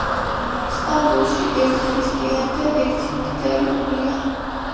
სტამბოლში ერთ ქრისტიანი და ერთი მდიდარი ურია